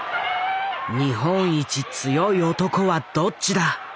日本一強い男はどっちだ